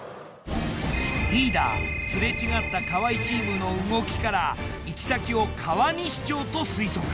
リーダーすれ違った河合チームの動きから行き先を川西町と推測。